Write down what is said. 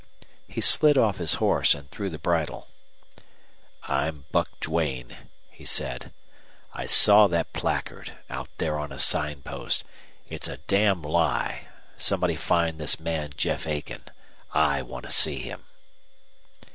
He slid off his horse and threw the bridle. "I'm Buck Duane," he said. "I saw that placard out there on a sign post. It's a damn lie! Somebody find this man Jeff Aiken. I want to see him."